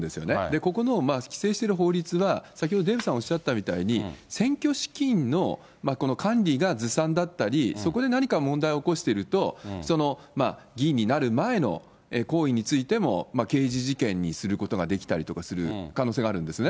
ここの規制してる法律は、先ほどデーブさんおっしゃったみたいに選挙資金のこの管理がずさんだったり、そこで何か問題を起こしていると、議員になる前の行為についても、刑事事件にすることができたりする可能性があるんですね。